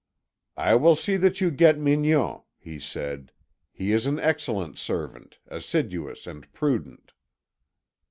"I will see that you get Mignon," he said. "He is an excellent servant, assiduous and prudent."